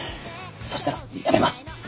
そしたらやめます。